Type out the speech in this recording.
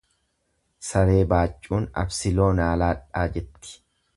Saree baaccuun absiloo naa laadhaa jetti.